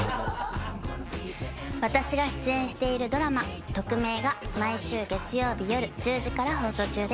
私が出演しているドラマ『トクメイ！』が毎週月曜日夜１０時から放送中です。